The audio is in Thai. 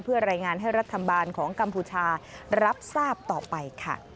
เพื่อรายงานให้รัฐบาลของกัมพูชารับทราบต่อไปค่ะ